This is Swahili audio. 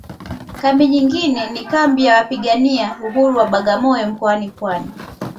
Kambi nyingine ni kambi ya wapigania uhuru ya Bagamoyo mkoani Pwani